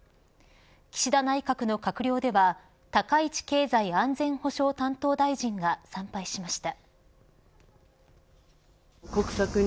岸田内閣の閣僚では高市経済安全保障担当大臣が参拝しました。